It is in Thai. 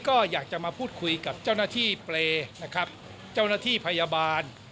ก็อยากจะมาพูดคุยกับเจ้าหน้าที่เปล่ายพยาบาล